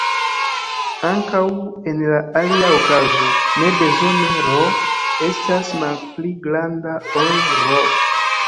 Ankaŭ, en la alia okazo ne bezone "r" estas malpli granda ol "R".